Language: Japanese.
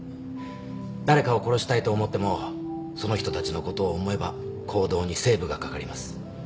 誰かを殺したいと思ってもその人たちのことを思えば行動にセーブがかかります。